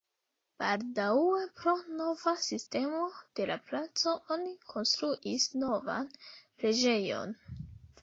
Baldaŭe pro nova sistemo de la placo oni konstruis novan preĝejon.